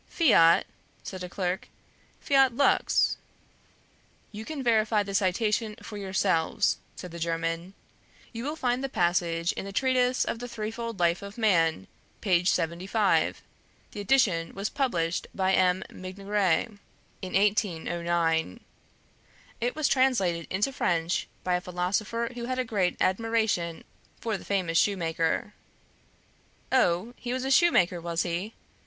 "Fiat?..." said a clerk. "Fiat lux!" "You can verify the citation for yourselves," said the German. "You will find the passage in the Treatise of the Threefold Life of Man, page 75; the edition was published by M. Migneret in 1809. It was translated into French by a philosopher who had a great admiration for the famous shoemaker." "Oh! he was a shoemaker, was he?"